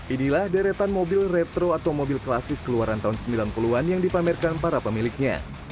inilah deretan mobil retro atau mobil klasik keluaran tahun sembilan puluh an yang dipamerkan para pemiliknya